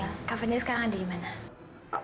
kak fadil sekarang anda dimana